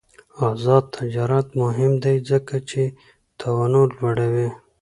آزاد تجارت مهم دی ځکه چې تنوع لوړوی.